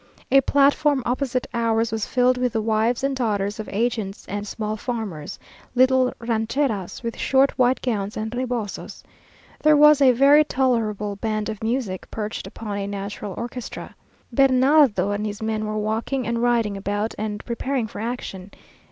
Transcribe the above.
A platform opposite ours was filled with the wives and daughters of agents and small farmers, little rancheras, with short white gowns and rebosos. There was a very tolerable band of music, perched upon a natural orchestra. Bernardo and his men were walking and riding about, and preparing for action.